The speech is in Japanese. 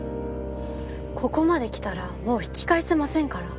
ここまで来たらもう引き返せませんから。